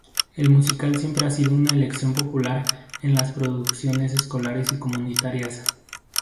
El musical siempre ha sido una elección popular en las producciones escolares y comunitarias.